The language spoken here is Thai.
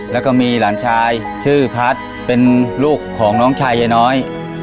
แล้วก็มีหลานชายชื่อพัฒน์เป็นลูกของน้องชายยายน้อย